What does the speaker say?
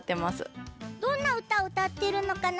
どんなうたをうたってるのかな？